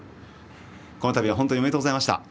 この度はおめでとうございました。